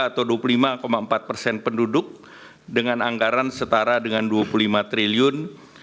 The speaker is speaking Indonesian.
atau dua puluh lima empat persen penduduk dengan anggaran setara dengan dua puluh lima triliun